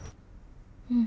うん。